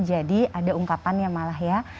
jadi ada ungkapan yang malah ya